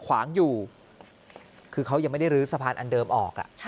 ขวางอยู่คือเขายังไม่ได้ลื้อสะพานอันเดิมออก